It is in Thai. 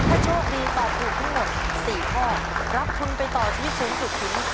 ถ้าโชคดีตอบถูกทั้งหมด๔ข้อรับทุนไปต่อชีวิตสูงสุดถึง